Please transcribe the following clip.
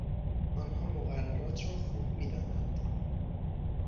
آنها مقررات را خوب میدانند.